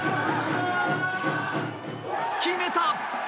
決めた！